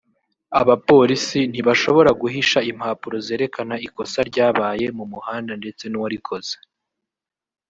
abapolisi ntibashobora guhisha impapuro zerekana ikosa ryabaye mu muhanda ndetse n’uwarikoze